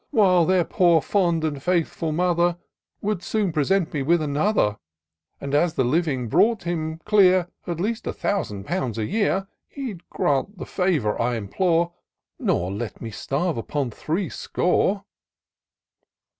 While their poor, fond, and faithful mother Would soon present me with another; And, as the living brought him, clear, At least a thousand poimds a year, He'd grant the favour I implore. Nor let me starve upon threescore."